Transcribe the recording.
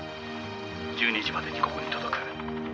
１２時までにここに届く」「」